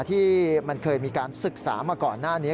ที่มันเคยมีการศึกษามาก่อนหน้านี้